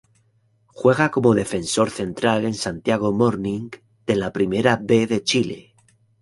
Juega como defensor central en Santiago Morning de la Primera B de Chile.